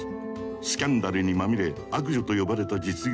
スキャンダルにまみれ「悪女」と呼ばれた実業家